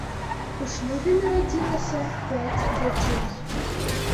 У шлюбе нарадзілася пяць дзяцей.